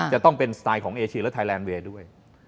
จะต้องเป็นสไตล์ของเอเชียและไทยแลนดเวย์ด้วย